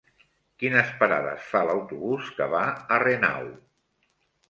Quines parades fa l'autobús que va a Renau?